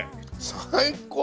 最高！